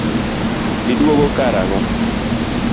Iduogo kar ang'o?